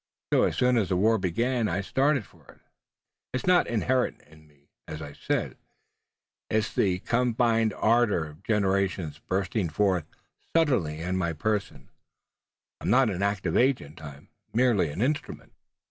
So, as soon as the war began I started for it. It's not inherent in me. As I said, it's the confined ardor of generations bursting forth suddenly in my person. I'm not an active agent. I'm merely an instrument."